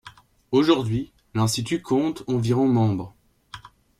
Aujourd'hui, l'institut compte environ membres.